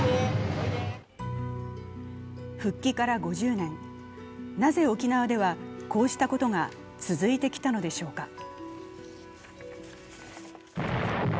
復帰から５０年、なぜ沖縄ではこうしたことが続いてきたのでしょうか。